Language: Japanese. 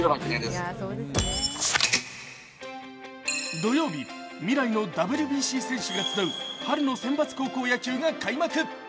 土曜日、未来のＷＢＣ選手が集う春の選抜高校野球が開幕。